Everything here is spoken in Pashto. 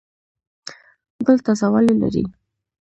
ګل تازه والی لري.